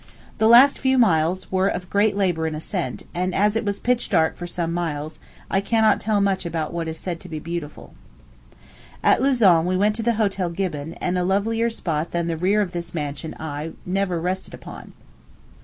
The last few miles were of great labor in ascent; and as it was pitch dark for some miles, I cannot tell much about what is said to be beautiful. At Lausanne we went to the Hotel Gibbon, and a lovelier spot than the rear of this mansion eye never rested upon.